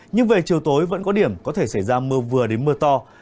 nhưng về chiều tối vẫn có điểm có thể xảy ra mưa vừa đến mưa to